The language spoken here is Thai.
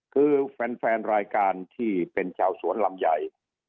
คือแฟนรายการที่เป็นชาวสวนลำใหญ่